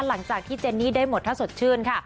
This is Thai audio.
หลังจากที่เจนนี่ได้หมดครับสดค่ะ